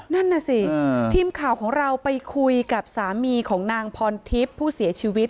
นั่นน่ะสิทีมข่าวของเราไปคุยกับสามีของนางพรทิพย์ผู้เสียชีวิต